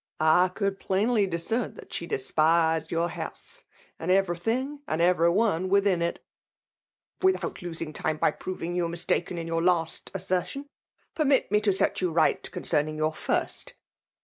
I could plainly discern that she despised your house, and everything, and every one within it !*'" Without losing time by proving you mis taken in your last assertion, permit me to set you right concerning your first.